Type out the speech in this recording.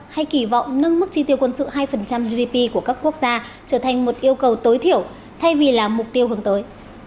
hay kỳ vọng nâng mức chi tiêu quân sự hai gdp của các quốc gia trở thành một yêu cầu tối thiểu thay vì là mục tiêu hướng tới